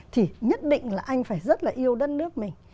thì nhất định là anh phải rất là yêu đất nước mình